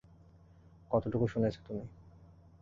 কতটুকু শুনেছ তুমি?